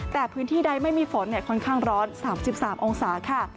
แต่พื้นที่ใดไม่มีฝนค่อนข้างร้อน๓๓องศาค่ะ